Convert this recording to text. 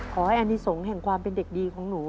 ขอให้อนิสงฆ์แห่งความเป็นเด็กดีของหนู